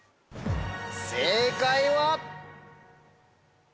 正解は？